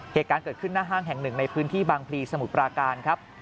เหตุการณ์เกิดขึ้นหน้าห้างแห่งหนึ่งในพื้นที่บางพลีสมุทรปราการครับ